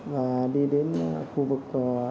và đi đến khu vực